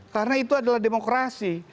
karena itu adalah demokrasi